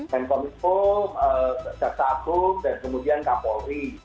menko minfo jaksa agung dan kemudian kapolri